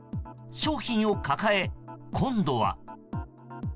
商品を抱え、今度は。